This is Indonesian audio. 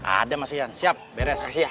ada mas yan siap beres